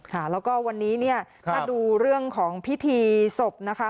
แล้วก็วันนี้ถ้าดูเรื่องของพิธีศพนะคะ